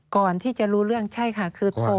ก่อนที่จะรู้เรื่องใช่ค่ะคือโทร